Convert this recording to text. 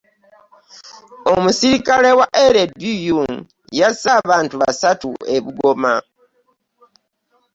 Omusirikale wa LDU yasse abantu basatu e Bugoma.